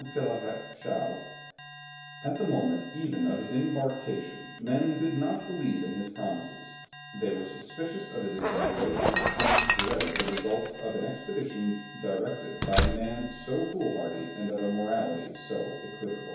Philarète Chasles, "at the moment even of his embarkation men did not believe in his promises, they were suspicious of his exaggerations, and dreaded the results of an expedition directed by a man so fool hardy, and of a morality so equivocal."